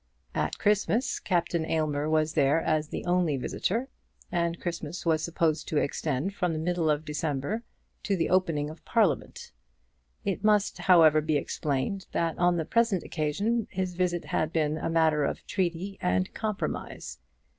At Christmas, Captain Aylmer was there as the only visitor, and Christmas was supposed to extend from the middle of December to the opening of Parliament. It must, however, be explained, that on the present occasion his visit had been a matter of treaty and compromise.